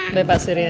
udah pak surya